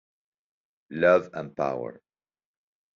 Love and Power.